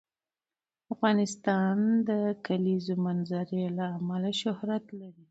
افغانستان د د کلیزو منظره له امله شهرت لري.